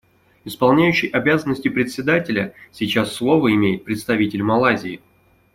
Исполняющий обязанности Председателя: Сейчас слово имеет представитель Малайзии.